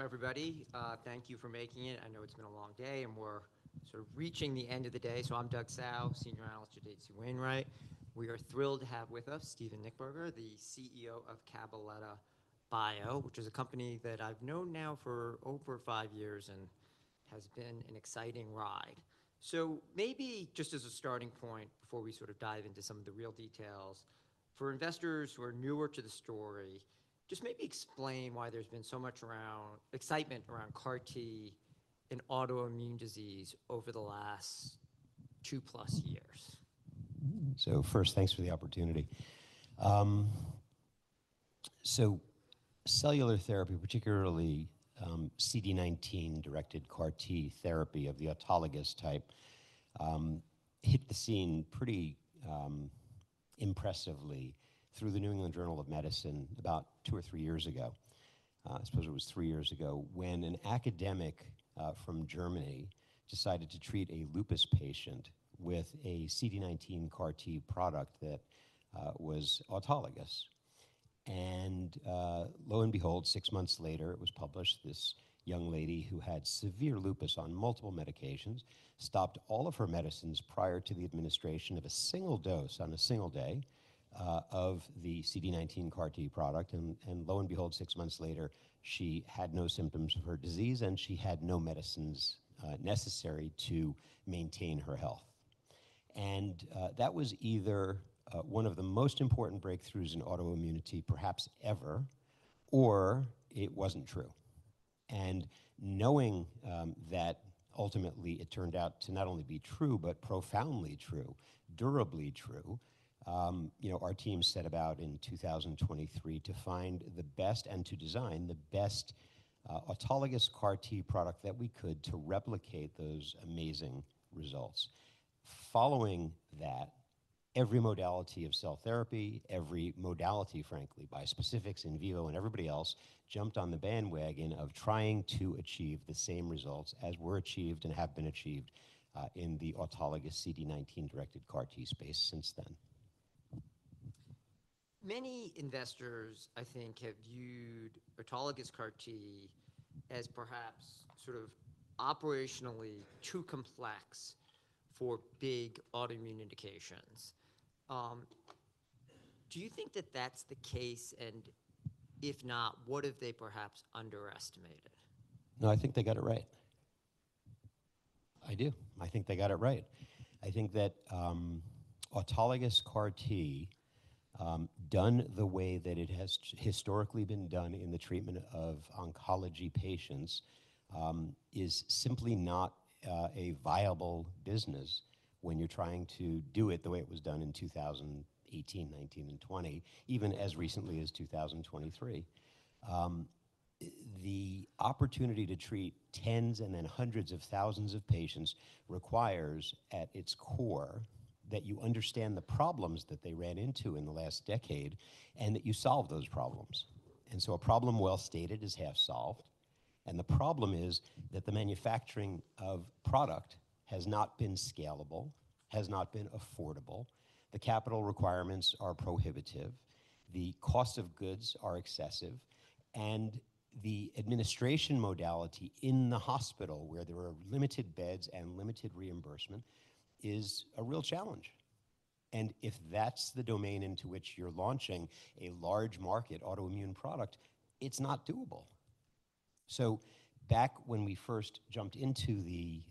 Welcome, everybody. Thank you for making it. I know it's been a long day, and we're sort of reaching the end of the day. I'm Douglas Tsao, Senior Analyst at H.C. Wainwright. We are thrilled to have with us Steven Nichtberger, the CEO of Cabaletta Bio, which is a company that I've known now for over 5 years and has been an exciting ride. Maybe just as a starting point before we sort of dive into some of the real details, for investors who are newer to the story, just maybe explain why there's been so much excitement around CAR T and autoimmune disease over the last two-plus years. First, thanks for the opportunity. Cellular therapy, particularly, CD19-directed CAR T therapy of the autologous type, hit the scene pretty impressively through the New England Journal of Medicine about two or three years ago, I suppose it was three years ago, when an academic from Germany decided to treat a lupus patient with a CD19 CAR T product that was autologous. Lo and behold, six months later, it was published this young lady who had severe lupus on multiple medications, stopped all of her medicines prior to the administration of a single dose on a single day of the CD19 CAR T product. Lo and behold, six months later, she had no symptoms of her disease, and she had no medicines necessary to maintain her health. That was either one of the most important breakthroughs in autoimmunity perhaps ever, or it wasn't true. Knowing that ultimately it turned out to not only be true, but profoundly true, durably true, you know, our team set about in 2023 to find the best and to design the best autologous CAR T product that we could to replicate those amazing results. Following that, every modality of cell therapy, every modality, frankly, bispecifics, in vivo, and everybody else jumped on the bandwagon of trying to achieve the same results as were achieved and have been achieved in the autologous CD19-directed CAR T space since then. Many investors, I think, have viewed autologous CAR T as perhaps sort of operationally too complex for big autoimmune indications. Do you think that that's the case? If not, what have they perhaps underestimated? No, I think they got it right. I do. I think they got it right. I think that autologous CAR T done the way that it has historically been done in the treatment of oncology patients is simply not a viable business when you're trying to do it the way it was done in 2018, 2019, and 2020, even as recently as 2023. The opportunity to treat tens and then hundreds of thousands of patients requires at its core that you understand the problems that they ran into in the last decade and that you solve those problems. A problem well-stated is half solved, and the problem is that the manufacturing of product has not been scalable, has not been affordable. The capital requirements are prohibitive, the cost of goods are excessive, and the administration modality in the hospital where there are limited beds and limited reimbursement is a real challenge. If that's the domain into which you're launching a large market autoimmune product, it's not doable. Back when we first jumped into the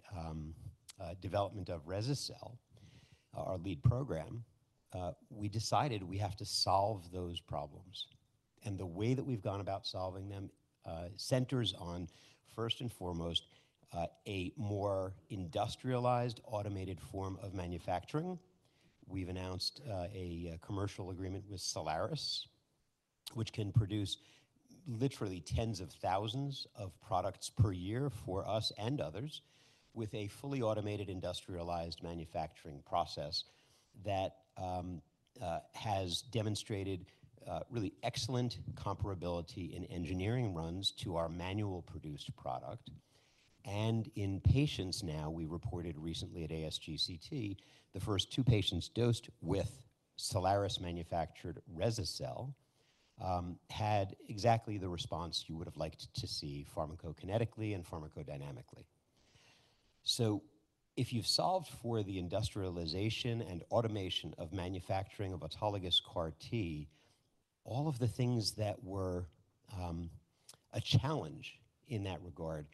development of rese-cel, our lead program, we decided we have to solve those problems. The way that we've gone about solving them centers on, first and foremost, a more industrialized, automated form of manufacturing. We've announced a commercial agreement with Cellares, which can produce literally tens of thousands of products per year for us and others with a fully automated, industrialized manufacturing process that has demonstrated really excellent comparability in engineering runs to our manual produced product. In patients, we reported recently at ASGCT, the first two patients dosed with Cellares manufactured rese-cel had exactly the response you would have liked to see pharmacokinetically and pharmacodynamically. If you've solved for the industrialization and automation of manufacturing of autologous CAR T, all of the things that were a challenge in that regard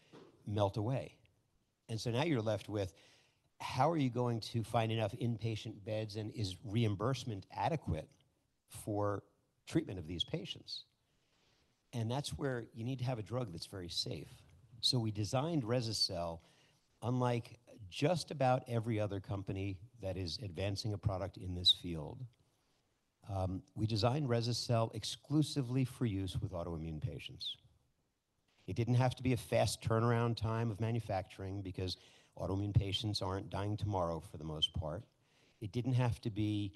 melt away. Now you're left with, how are you going to find enough inpatient beds, and is reimbursement adequate for treatment of these patients? That's where you need to have a drug that's very safe. We designed rese-cel unlike just about every other company that is advancing a product in this field. We designed rese-cel exclusively for use with autoimmune patients. It didn't have to be a fast turnaround time of manufacturing because autoimmune patients aren't dying tomorrow for the most part. It didn't have to be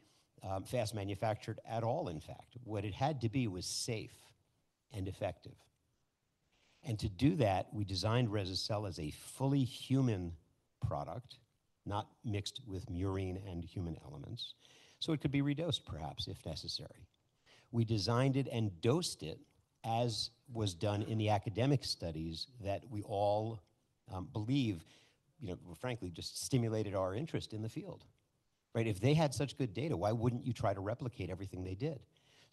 fast manufactured at all, in fact. What it had to be was safe and effective. To do that, we designed rese-cel as a fully human product, not mixed with murine and human elements. It could be redosed perhaps if necessary. We designed it and dosed it as was done in the academic studies that we all, you know, frankly just stimulated our interest in the field, right? If they had such good data, why wouldn't you try to replicate everything they did?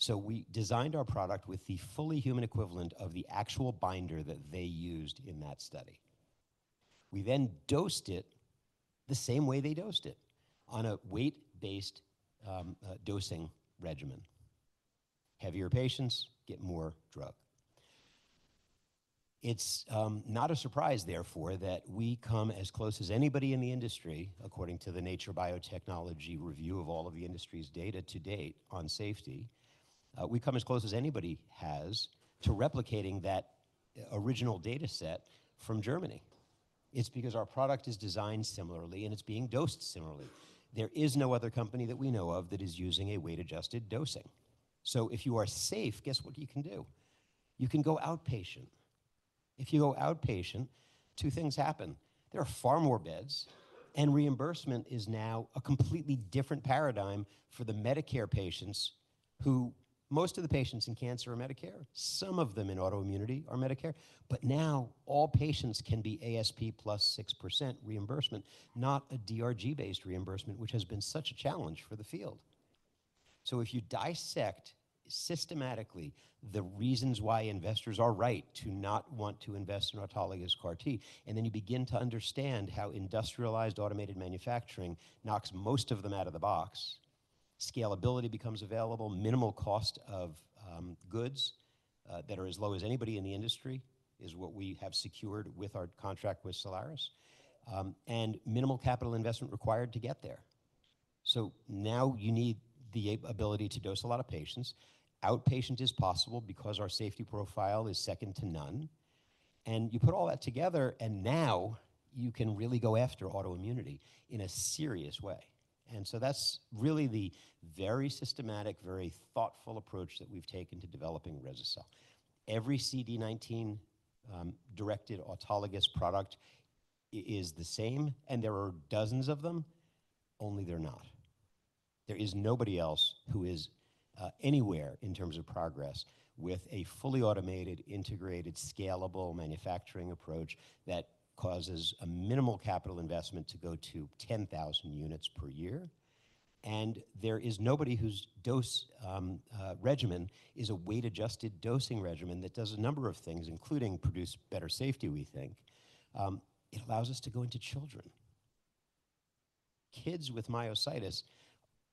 We designed our product with the fully human equivalent of the actual binder that they used in that study. We dosed it the same way they dosed it, on a weight-based dosing regimen. Heavier patients get more drug. It's not a surprise therefore, that we come as close as anybody in the industry according to the Nature Biotechnology review of all of the industry's data to date on safety. We come as close as anybody has to replicating that original data set from Germany. It's because our product is designed similarly, and it's being dosed similarly. There is no other company that we know of that is using a weight-adjusted dosing. If you are safe, guess what you can do? You can go outpatient. If you go outpatient, two things happen. There are far more beds, and reimbursement is now a completely different paradigm for the Medicare patients. Most of the patients in cancer are Medicare, some of them in autoimmunity are Medicare. Now all patients can be ASP plus 6% reimbursement, not a DRG-based reimbursement, which has been such a challenge for the field. If you dissect systematically the reasons why investors are right to not want to invest in autologous CAR T, then you begin to understand how industrialized automated manufacturing knocks most of them out of the box, scalability becomes available. Minimal cost of goods that are as low as anybody in the industry is what we have secured with our contract with Cellares, and minimal capital investment required to get there. Now you need the ability to dose a lot of patients. Outpatient is possible because our safety profile is second to none. You put all that together, and now you can really go after autoimmunity in a serious way. That's really the very systematic, very thoughtful approach that we've taken to developing rese-cel. Every CD19 directed autologous product is the same, and there are dozens of them, only they're not. There is nobody else who is anywhere in terms of progress with a fully automated, integrated, scalable manufacturing approach that causes a minimal capital investment to go to 10,000 units per year. There is nobody whose dose regimen is a weight-adjusted dosing regimen that does a number of things, including produce better safety, we think. It allows us to go into children. Kids with myositis,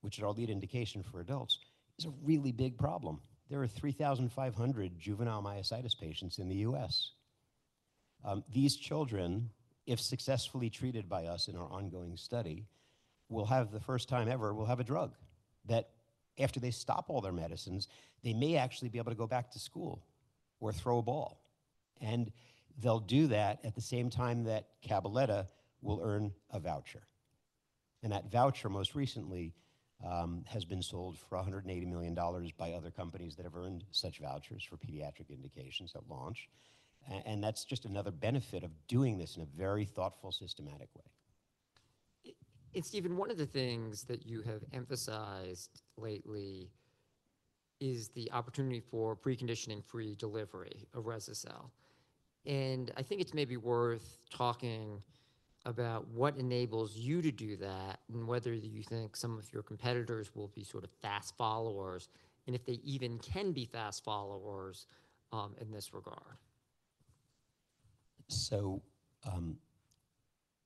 which is our lead indication for adults, is a really big problem. There are 3,500 juvenile myositis patients in the U.S. These children, if successfully treated by us in our ongoing study, will have the first time ever, will have a drug that after they stop all their medicines, they may actually be able to go back to school or throw a ball. They'll do that at the same time that Cabaletta will earn a voucher. That voucher most recently has been sold for $180 million by other companies that have earned such vouchers for pediatric indications at launch. That's just another benefit of doing this in a very thoughtful, systematic way. Steven, one of the things that you have emphasized lately is the opportunity for preconditioning free delivery of rese-cel. I think it's maybe worth talking about what enables you to do that, and whether you think some of your competitors will be sort of fast followers, and if they even can be fast followers, in this regard.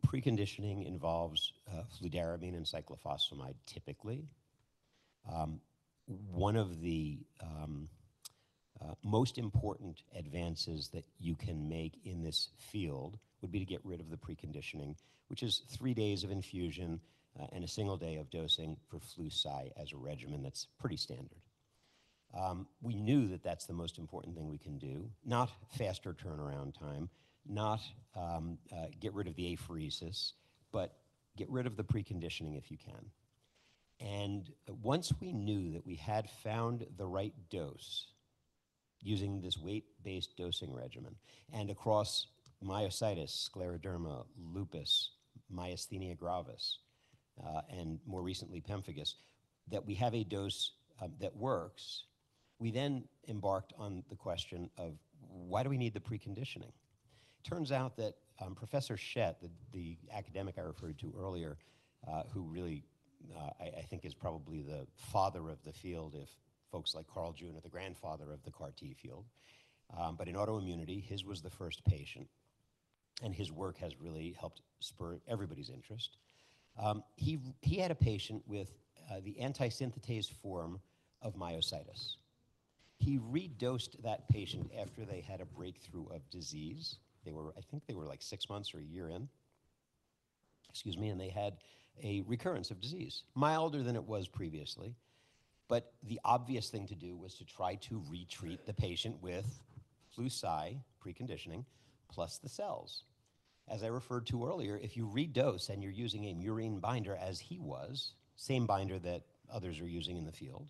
Preconditioning involves fludarabine and cyclophosphamide typically. One of the most important advances that you can make in this field would be to get rid of the preconditioning, which is three days of infusion and a single day of dosing for Flu-Cy as a regimen. That's pretty standard. We knew that that's the most important thing we can do. Not faster turnaround time, not get rid of the apheresis, but get rid of the preconditioning if you can. Once we knew that we had found the right dose using this weight-based dosing regimen, and across myositis, scleroderma, lupus, myasthenia gravis, and more recently pemphigus, that we have a dose that works, we then embarked on the question of, "Why do we need the preconditioning?" Turns out that professor Schett, the academic I referred to earlier, who really, I think is probably the father of the field if folks like Carl June are the grandfather of the CAR T field. In autoimmunity, his was the first patient, and his work has really helped spur everybody's interest. He had a patient with the anti-synthetase form of myositis. He redosed that patient after they had a breakthrough of disease. I think they were like six months or one year in, excuse me, and they had a recurrence of disease. Milder than it was previously, the obvious thing to do was to try to re-treat the patient with Flu-Cy preconditioning plus the cells. As I referred to earlier, if you redose and you're using a murine binder as he was, same binder that others are using in the field,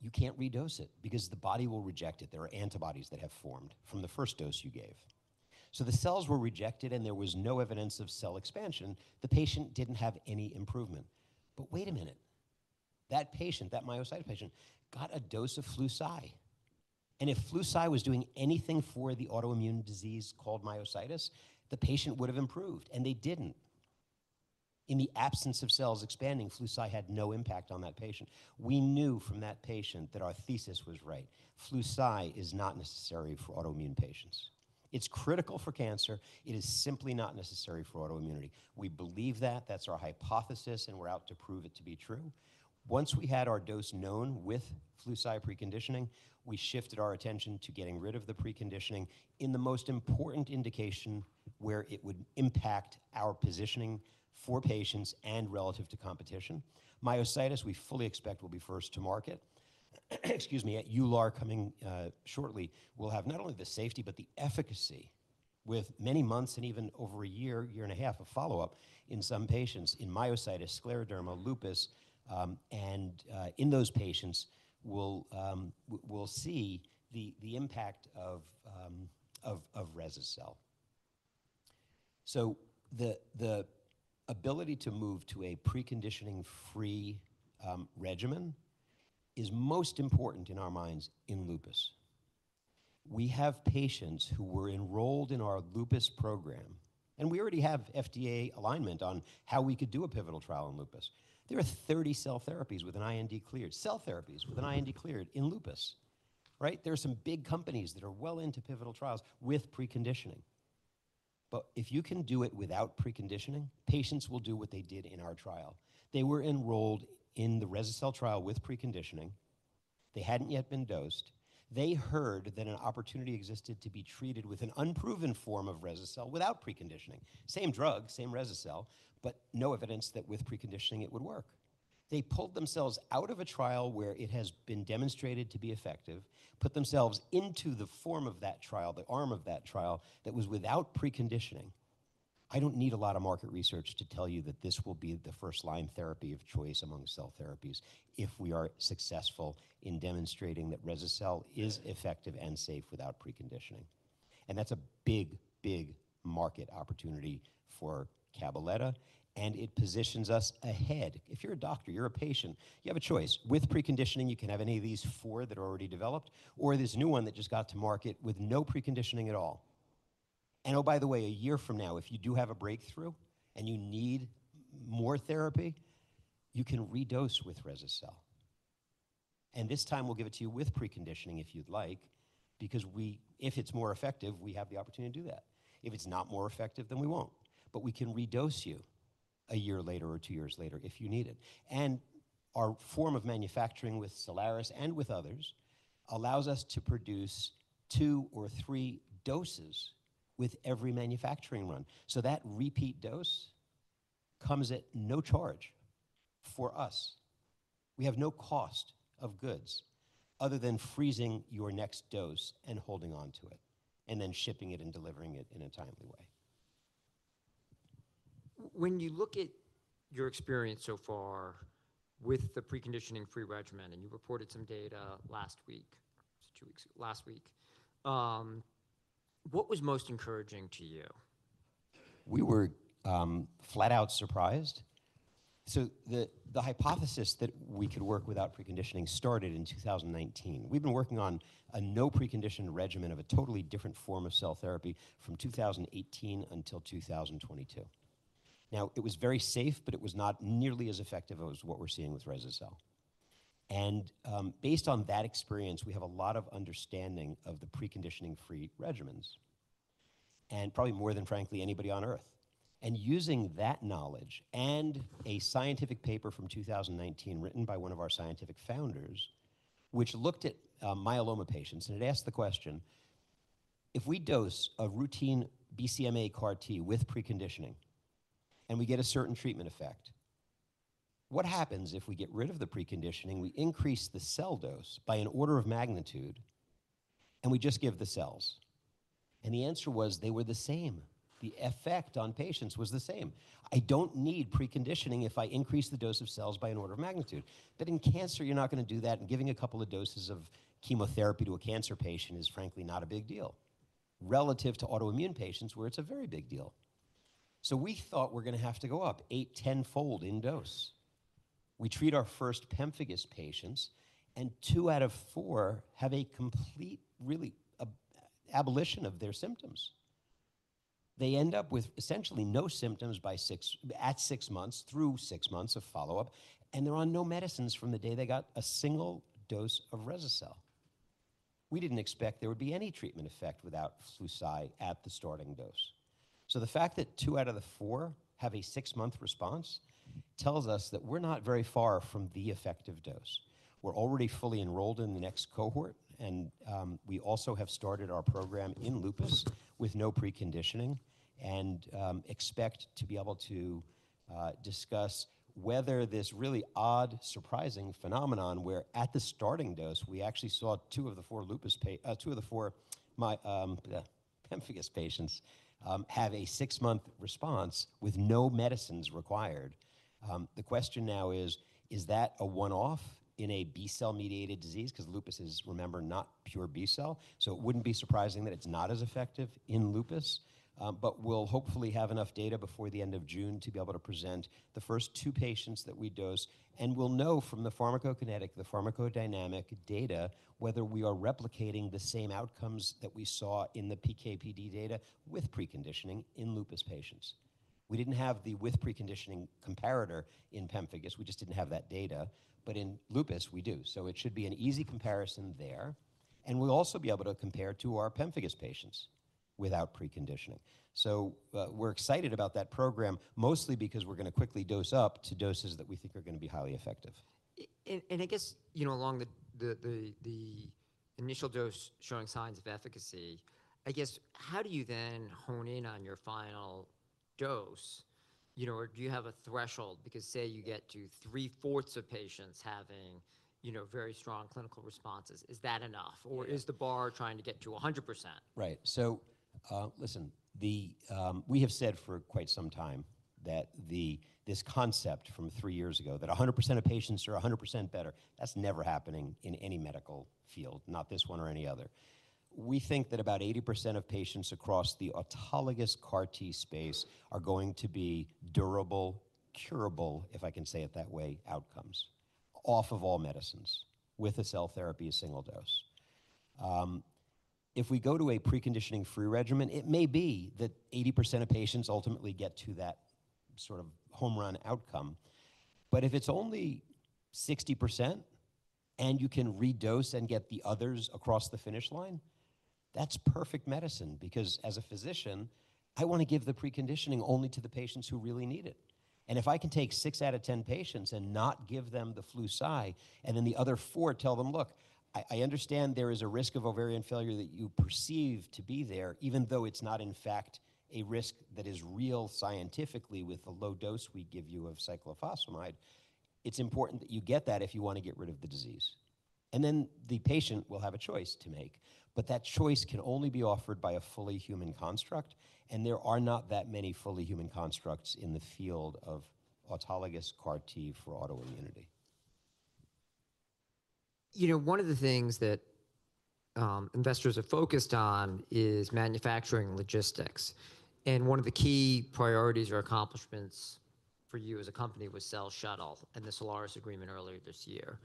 you can't redose it because the body will reject it. There are antibodies that have formed from the first dose you gave. The cells were rejected, and there was no evidence of cell expansion. The patient didn't have any improvement. Wait a minute. That patient, that myositis patient, got a dose of Flu-Cy. If Flu-Cy was doing anything for the autoimmune disease called myositis, the patient would have improved, and they didn't. In the absence of cells expanding, Flu-Cy had no impact on that patient. We knew from that patient that our thesis was right. Flu-Cy is not necessary for autoimmune patients. It's critical for cancer. It is simply not necessary for autoimmunity. We believe that. That's our hypothesis, and we're out to prove it to be true. Once we had our dose known with Flu-Cy preconditioning, we shifted our attention to getting rid of the preconditioning in the most important indication where it would impact our positioning for patients and relative to competition. Myositis, we fully expect will be first to market. Excuse me. At EULAR coming shortly, we'll have not only the safety, but the efficacy with many months and even over a year and a half of follow-up in some patients in myositis, scleroderma, lupus. In those patients we'll see the impact of rese-cel. The ability to move to a preconditioning-free regimen is most important in our minds in lupus. We have patients who were enrolled in our lupus program, and we already have FDA alignment on how we could do a pivotal trial in lupus. There are 30 cell therapies with an IND cleared in lupus. There are some big companies that are well into pivotal trials with preconditioning. If you can do it without preconditioning, patients will do what they did in our trial. They were enrolled in the rese-cel trial with preconditioning. They hadn't yet been dosed. They heard that an opportunity existed to be treated with an unproven form of rese-cel without preconditioning. Same drug, same rese-cel, no evidence that with preconditioning it would work. They pulled themselves out of a trial where it has been demonstrated to be effective, put themselves into the form of that trial, the arm of that trial that was without preconditioning. I don't need a lot of market research to tell you that this will be the first-line therapy of choice among cell therapies if we are successful in demonstrating that rese-cel is effective and safe without preconditioning. That's a big, big market opportunity for Cabaletta Bio, and it positions us ahead. If you're a doctor, you're a patient, you have a choice. With preconditioning, you can have any of these four that are already developed or this new one that just got to market with no preconditioning at all. Oh, by the way, a year from now, if you do have a breakthrough and you need more therapy, you can redose with rese-cel. This time we'll give it to you with preconditioning if you'd like, because if it's more effective, we have the opportunity to do that. If it's not more effective, we won't. We can redose you a year later or two years later if you need it. Our form of manufacturing with Lonza and with others allows us to produce two or three doses with every manufacturing run. That repeat dose comes at no charge for us. We have no cost of goods other than freezing your next dose and holding on to it, and then shipping it and delivering it in a timely way. When you look at your experience so far with the preconditioning free regimen, and you reported some data last week, two weeks ago, last week, what was most encouraging to you? We were flat out surprised. The hypothesis that we could work without preconditioning started in 2019. We've been working on a no preconditioned regimen of a totally different form of cell therapy from 2018 until 2022. Now, it was very safe, but it was not nearly as effective as what we're seeing with rese-cel. Based on that experience, we have a lot of understanding of the preconditioning-free regimens, and probably more than, frankly, anybody on Earth. Using that knowledge and a scientific paper from 2019 written by one of our scientific founders, which looked at myeloma patients, and it asked the question, "If we dose a routine BCMA CAR T with preconditioning and we get a certain treatment effect, what happens if we get rid of the preconditioning, we increase the cell dose by an order of magnitude, and we just give the cells?" The answer was they were the same. The effect on patients was the same. I don't need preconditioning if I increase the dose of cells by an order of magnitude. In cancer, you're not going to do that, and giving a couple of doses of chemotherapy to a cancer patient is frankly not a big deal relative to autoimmune patients, where it's a very big deal. We thought we're going to have to go up eight, 10-fold in dose. We treat our first pemphigus patients, two out of four have a complete, really a abolition of their symptoms. They end up with essentially no symptoms by six months, through six months of follow-up, and they're on no medicines from the day they got a single dose of rese-cel. We didn't expect there would be any treatment effect without Flu-Cy at the starting dose. The fact that two out of the four have a six-month response tells us that we're not very far from the effective dose. We're already fully enrolled in the next cohort, and we also have started our program in lupus with no preconditioning and expect to be able to discuss whether this really odd, surprising phenomenon where at the starting dose, we actually saw two of the four Pemphigus patients have a six-month response with no medicines required. The question now is that a one-off in a B-cell mediated disease? 'Cause lupus is, remember, not pure B-cell, so it wouldn't be surprising that it's not as effective in lupus. We'll hopefully have enough data before the end of June to be able to present the first two patients that we dosed. We'll know from the pharmacokinetic, the pharmacodynamic data, whether we are replicating the same outcomes that we saw in the PK/PD data with preconditioning in lupus patients. We didn't have the with preconditioning comparator in pemphigus. We just didn't have that data. In lupus we do, so it should be an easy comparison there. We'll also be able to compare to our pemphigus patients without preconditioning. We're excited about that program mostly because we're gonna quickly dose up to doses that we think are gonna be highly effective. I guess, you know, along the initial dose showing signs of efficacy, I guess, how do you then hone in on your final dose? You know, do you have a threshold? Say you get to three-fourths of patients having, you know, very strong clinical responses, is that enough? Yeah. Is the bar trying to get to 100%? Right. Listen, the We have said for quite some time that this concept from three years ago that 100% of patients are 100% better, that's never happening in any medical field, not this one or any other. We think that about 80% of patients across the autologous CAR T space are going to be durable, curable, if I can say it that way, outcomes off of all medicines with a cell therapy, a single dose. If we go to a preconditioning free regimen, it may be that 80% of patients ultimately get to that sort of home run outcome. If it's only 60% and you can redose and get the others across the finish line, that's perfect medicine. As a physician, I wanna give the preconditioning only to the patients who really need it. If I can take six out of 10 patients and not give them the Flu-Cy, then the other four tell them, "Look, I understand there is a risk of ovarian failure that you perceive to be there, even though it's not, in fact, a risk that is real scientifically with the low dose we give you of cyclophosphamide. It's important that you get that if you wanna get rid of the disease." Then the patient will have a choice to make. That choice can only be offered by a fully human construct, and there are not that many fully human constructs in the field of autologous CAR T for autoimmunity. You know, one of the things that investors have focused on is manufacturing logistics, and one of the key priorities or accomplishments for you as a company was Cell Shuttle and the Lonza agreement earlier this year.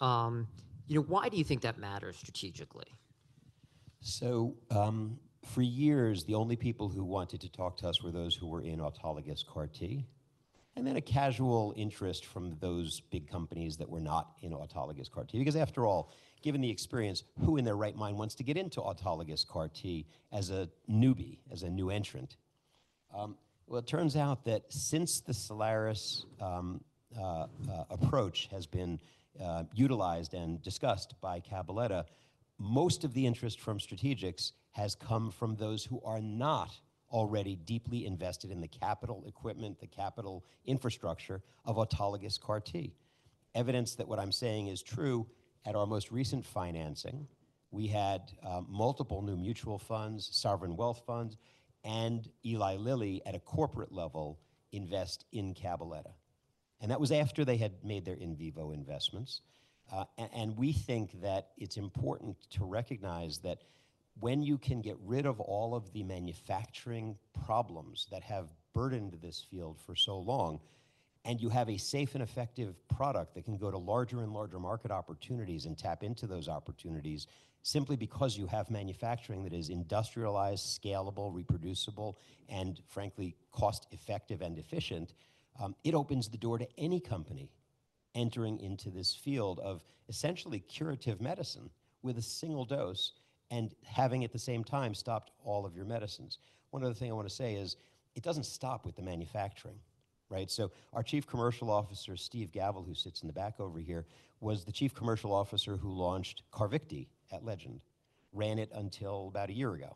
You know, why do you think that matters strategically? For years, the only people who wanted to talk to us were those who were in autologous CAR T, and then a casual interest from those big companies that were not in autologous CAR T. After all, given the experience, who in their right mind wants to get into autologous CAR T as a newbie, as a new entrant? It turns out that since the Cellares approach has been utilized and discussed by Cabaletta, most of the interest from strategics has come from those who are not already deeply invested in the capital equipment, the capital infrastructure of autologous CAR T. Evidence that what I'm saying is true, at our most recent financing, we had multiple new mutual funds, sovereign wealth funds, and Eli Lilly at a corporate level invest in Cabaletta, and that was after they had made their in vivo investments. We think that it's important to recognize that when you can get rid of all of the manufacturing problems that have burdened this field for so long, and you have a safe and effective product that can go to larger and larger market opportunities and tap into those opportunities simply because you have manufacturing that is industrialized, scalable, reproducible, and frankly, cost-effective and efficient, it opens the door to any company entering into this field of essentially curative medicine with a single dose and having, at the same time, stopped all of your medicines. One other thing I want to say is it doesn't stop with the manufacturing, right? Our Chief Commercial Officer, Steve Gavel, who sits in the back over here, was the Chief Commercial Officer who launched CARVYKTI at Legend, ran it until about a year ago,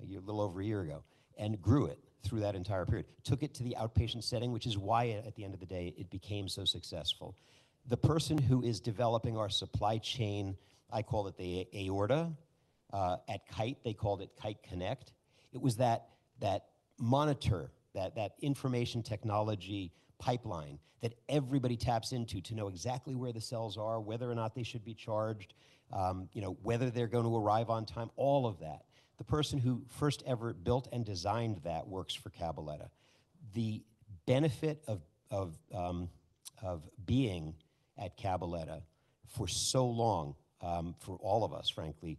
a little over a year ago, and grew it through that entire period. Took it to the outpatient setting, which is why at the end of the day it became so successful. The person who is developing our supply chain, I call it the aorta, at Kite, they called it Kite Connect. It was that monitor, that information technology pipeline that everybody taps into to know exactly where the cells are, whether or not they should be charged, you know, whether they're gonna arrive on time, all of that. The person who first ever built and designed that works for Cabaletta. The benefit of being at Cabaletta for so long, for all of us frankly,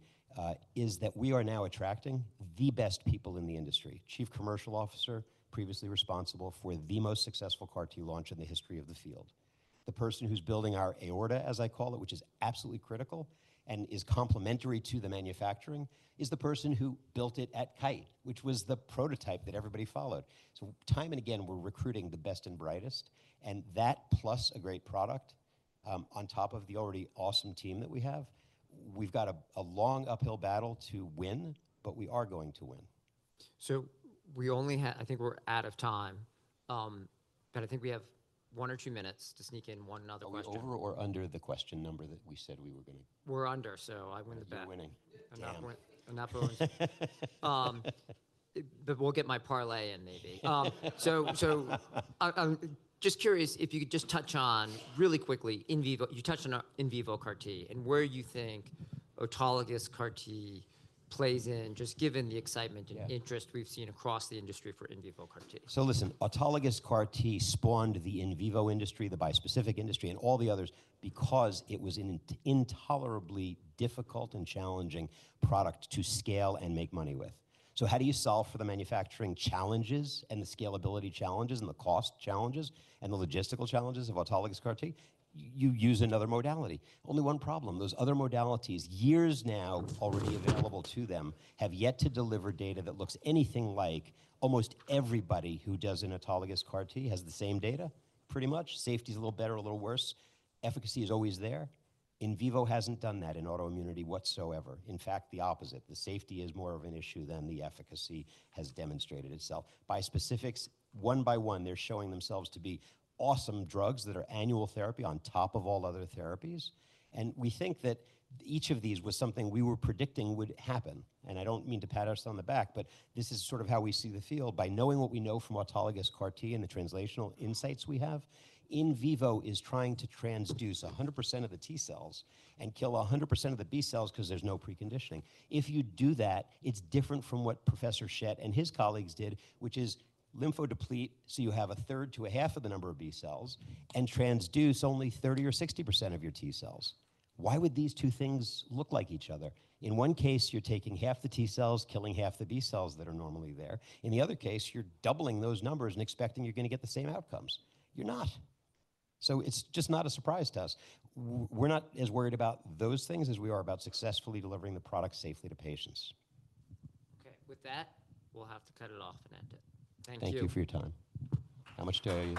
is that we are now attracting the best people in the industry. Chief Commercial Officer, previously responsible for the most successful CAR T launch in the history of the field. The person who's building our aorta, as I call it, which is absolutely critical and is complementary to the manufacturing, is the person who built it at Kite, which was the prototype that everybody followed. Time and again, we're recruiting the best and brightest, and that plus a great product, on top of the already awesome team that we have, we've got a long uphill battle to win, but we are going to win. I think we're out of time, but I think we have one or two minutes to sneak in one other question. Are we over or under the question number that we said we were. We're under, so I win the bet. You're winning. Damn. I'm not rolling. We'll get my parlay in maybe. Just curious if you could just touch on really quickly in vivo. You touched on a in vivo CAR T and where you think autologous CAR T plays in, just given the excitement. Yeah. Interest we've seen across the industry for in vivo CAR T. Listen, autologous CAR T spawned the in vivo industry, the bispecific industry, and all the others because it was an intolerably difficult and challenging product to scale and make money with. How do you solve for the manufacturing challenges and the scalability challenges and the cost challenges and the logistical challenges of autologous CAR T? You use another modality. Only one problem, those other modalities, years now already available to them, have yet to deliver data that looks anything like almost everybody who does an autologous CAR T has the same data, pretty much. Safety's a little better, a little worse. Efficacy is always there. In vivo hasn't done that in autoimmunity whatsoever. In fact, the opposite. The safety is more of an issue than the efficacy has demonstrated itself. Bispecifics, one by one, they're showing themselves to be awesome drugs that are annual therapy on top of all other therapies. We think that each of these was something we were predicting would happen. I don't mean to pat us on the back, but this is sort of how we see the field. By knowing what we know from autologous CAR T and the translational insights we have, in vivo is trying to transduce 100% of the T cells and kill 100% of the B cells 'cause there's no preconditioning. If you do that, it's different from what Professor Schett and his colleagues did, which is lymphodeplete, so you have a third to a half of the number of B cells, and transduce only 30% or 60% of your T cells. Why would these two things look like each other? In one case, you're taking half the T cells, killing half the B cells that are normally there. In the other case, you're doubling those numbers and expecting you're gonna get the same outcomes. You're not. It's just not a surprise to us. We're not as worried about those things as we are about successfully delivering the product safely to patients. Okay. With that, we'll have to cut it off and end it. Thank you. Thank you for your time. How much do I owe you?